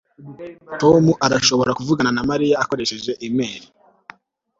tom arashobora kuvugana na mariya ukoresheje imeri